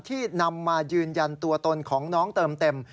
นำมายืนยันตัวตนของน้องเติมเต็ม